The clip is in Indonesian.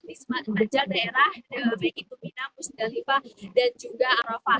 di sepanjang daerah baik itu mina pusdalipa dan juga arofa